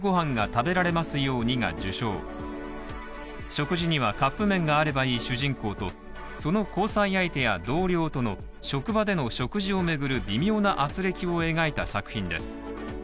食事にはカップ麺があればいい主人公とその交際相手や同僚との職場での食事を巡る微妙なあつれきを描いた作品です。